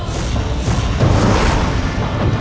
bisa juga yang lain